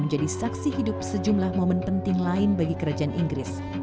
menjadi saksi hidup sejumlah momen penting lain bagi kerajaan inggris